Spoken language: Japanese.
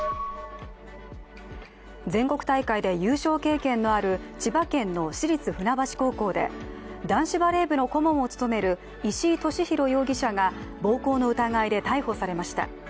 全国大会で優勝経験のある千葉県の市立船橋高校で男子バレー部の顧問を務める石井利広容疑者が暴行の疑いで逮捕されました。